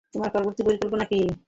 তোমার পরবর্তী পরিকল্পনা কি?